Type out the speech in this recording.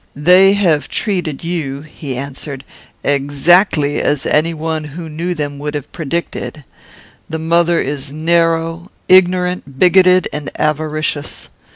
"They have treated you," he answered, "exactly as any one who knew them would have predicted. The mother is narrow, ignorant, bigoted, and avaricious.